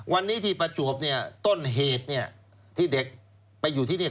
วันนี้ที่ประจวบต้นเหตุที่เด็กไปอยู่ที่นี่